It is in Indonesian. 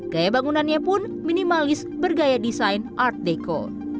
gaya bangunannya pun minimalis bergaya desain art deco